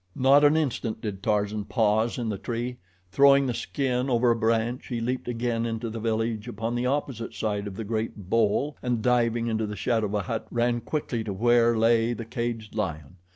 Not an instant did Tarzan pause in the tree. Throwing the skin over a branch he leaped again into the village upon the opposite side of the great bole, and diving into the shadow of a hut, ran quickly to where lay the caged lion.